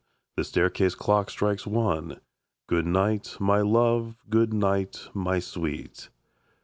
The staircase clock strikes one. Good night, my love! good night, my sweet!